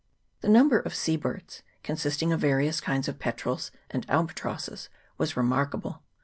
The number of sea birds, consisting of various kinds of petrels and albatrosses, was remarkable.